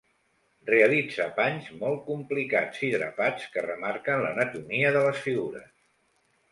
Realitza panys molt complicats i drapats, que remarquen l'anatomia de les figures.